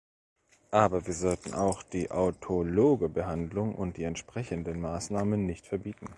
Aber wir sollten auch die autologe Behandlung und die entsprechenden Maßnahmen nicht verbieten.